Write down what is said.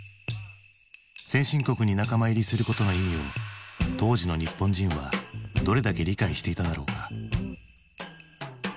先進国に仲間入りすることの意味を当時の日本人はどれだけ理解していただろうか。